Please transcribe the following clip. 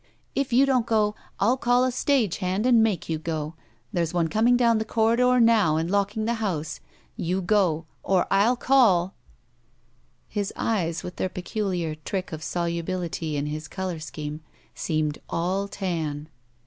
If you don't go, I'll call a stage hand and make you go. There's one coming down the corridor now and locking the house. You go — or I'll call!" His eyes, with their peculiar trick of solubility in his color scheme, seemed all tan.